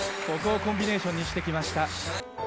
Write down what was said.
ここをコンビネーションにしてきました。